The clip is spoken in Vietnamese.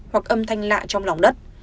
hoặc âm thanh lạ trong lòng đất